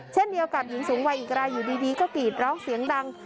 เช่นเดียวกับหญิงสูงวัยอีกรายอยู่ดีก็กรีดร้องเสียงดัง